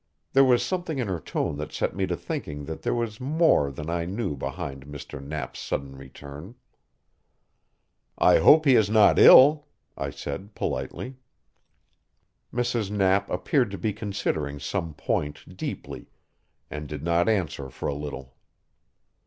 There was something in her tone that set me to thinking that there was more than I knew behind Mr. Knapp's sudden return. "I hope he is not ill," I said politely. Mrs. Knapp appeared to be considering some point deeply, and did not answer for a little.